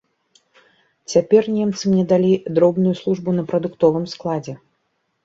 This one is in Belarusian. Цяпер немцы мне далі дробную службу на прадуктовым складзе.